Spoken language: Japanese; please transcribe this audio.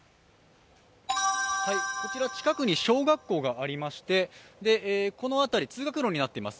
こちら近くに小学校がありまして、この辺り、通学路になっています。